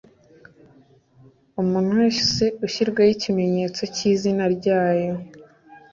umuntu wese ushyirwaho ikimenyetso cy‟izina ryayo.